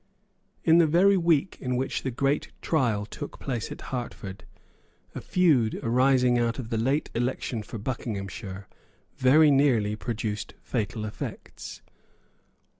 In the very week in which the great trial took place at Hertford, a feud arising out of the late election for Buckinghamshire very nearly produced fatal effects.